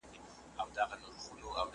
د شعر مانا له شاعر سره وي .